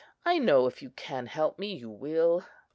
I know if you can help me, you will."